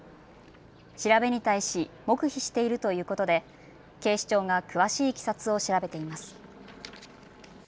調べに対し黙秘しているということで警視庁が詳しいいきさつを調べています。